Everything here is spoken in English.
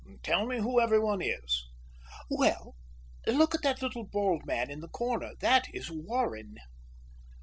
"Tell me who everyone is." "Well, look at that little bald man in the corner. That is Warren."